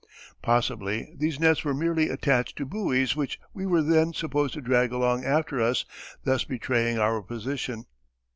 Possibly these nets were merely attached to buoys which we were then supposed to drag along after us, thus betraying our position....